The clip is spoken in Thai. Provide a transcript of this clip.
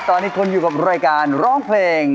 ตอนนี้คุณอยู่กับรายการร้องเพลง